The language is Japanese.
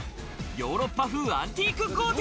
ヨーロッパ風アンティーク豪邸。